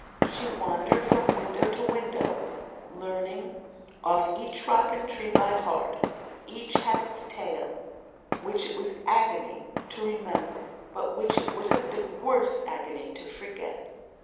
She wandered from window to window, learning off each rock and tree by heart. Each had its tale, which it was agony to remember; but which it would have been worse agony to forget.